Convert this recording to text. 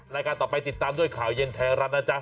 รายการต่อไปติดตามด้วยข่าวเย็นไทยรัฐนะจ๊ะ